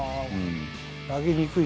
投げにくい？